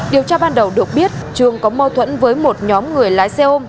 điều tra ban đầu được biết trường có mâu thuẫn với một nhóm người lái xe ôm